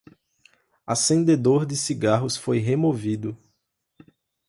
Acendedor de cigarros foi removido